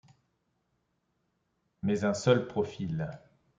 Mais un seul profil.